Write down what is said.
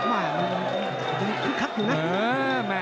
มันขึ้นครับอยู่นะ